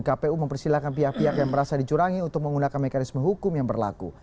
kpu mempersilahkan pihak pihak yang merasa dicurangi untuk menggunakan mekanisme hukum yang berlaku